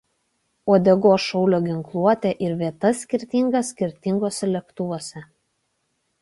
Uodegos šaulio ginkluotė ir vieta skirtinga skirtinguose lėktuvuose.